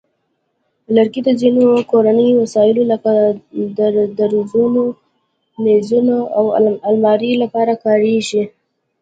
لرګي د ځینو کورني وسایلو لکه درازونو، مېزونو، او المارۍ لپاره کارېږي.